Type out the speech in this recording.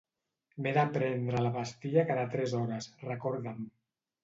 M'he de prendre la pastilla cada tres hores, recorda'm.